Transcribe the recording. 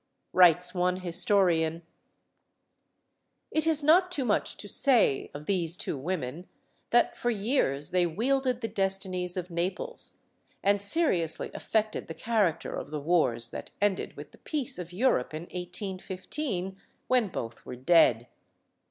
Writes one historian: It is not too much to say of these two women that for years they wielded the destinies of Naples, and seriously af fected the character of the wars that ended with the peace of Europe in 1815, when both were dead.